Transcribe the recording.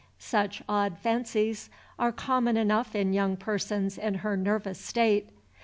Such odd fancies are common enough in young persons in her nervous state.